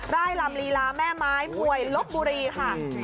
ร่ายลำลีลาแม่ไม้มวยลบบุรีค่ะ